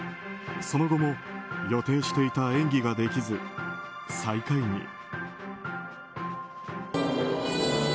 その後も予定していた演技ができず最下位に。